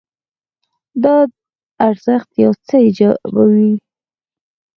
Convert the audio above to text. دا ارزښت یو څه ایجابوي.